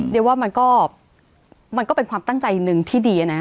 เดี๋ยวว่ามันก็เป็นความตั้งใจหนึ่งที่ดีนะ